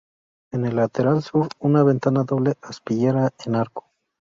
En el lateral sur, una ventana con doble aspillera, en arco.